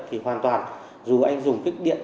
thì hoàn toàn dù anh dùng kích điện